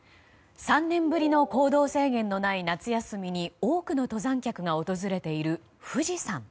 ３年ぶりの行動制限のない夏休みに多くの登山客が訪れている富士山。